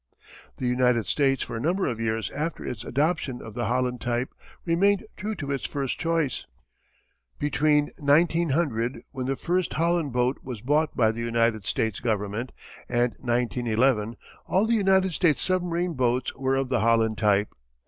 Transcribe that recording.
The United States for a number of years after its adoption of the Holland type remained true to its first choice. Between 1900, when the first Holland boat was bought by the United States Government, and 1911 all the United States submarine, boats were of the Holland type.